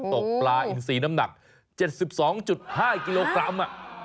ตกปลาอินซีน้ำหนัก๗๒๕กิโลกรัม